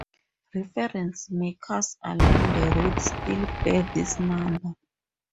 Reference markers along the route still bear this number.